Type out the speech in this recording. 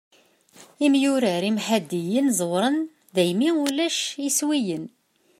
Imyurar imḥaddiyen ẓewren daymi i ulac iswiyen.